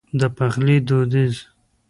د پخلي دوديز